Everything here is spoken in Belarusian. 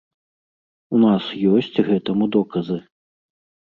У нас ёсць гэтаму доказы.